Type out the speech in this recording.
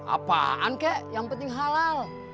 apaan kek yang penting halal